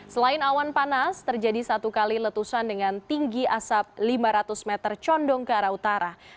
selain awan panas terjadi satu kali letusan dengan tinggi asap lima ratus meter condong ke arah utara